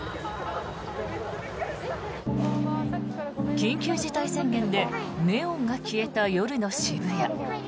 緊急事態宣言でネオンが消えた夜の渋谷。